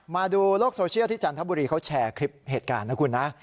มาดูโลกโซเชียลที่จันทบุรีเขาแชร์คลิปเหตุการณ์นะคุณนะ